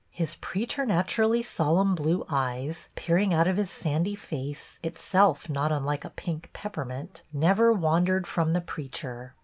His preternaturally sol emn blue eyes, peering out of his sandy face. Itself not unlike a pink peppermint, never wandered from the preacher.